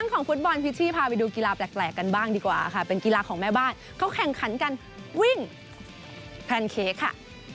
ของฟุตบอลพิชชี่พาไปดูกีฬาแปลกกันบ้างดีกว่าค่ะเป็นกีฬาของแม่บ้านเขาแข่งขันกันวิ่งแพนเค้กค่ะ